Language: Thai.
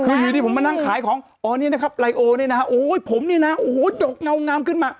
คืออยู่ดีผมมานั่งขายของอ๋อนี่นะครับไลโอนี่นะฮะโอ้ยผมเนี่ยนะโอ้โหดกเงางามขึ้นมา